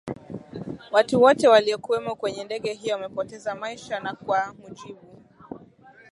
watu wote waliokuwemo kwenye ndege hiyo wamepoteza maisha na kwa mujibu